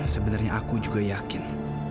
sebenarnya aku juga yakin